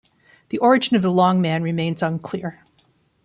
The origin of the Long Man remains unclear.